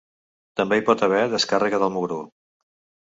També hi pot haver descàrrega del mugró.